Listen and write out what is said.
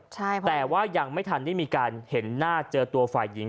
แต่ว่ายังไม่ทันได้มีการเห็นหน้าเจอตัวฝ่ายหญิง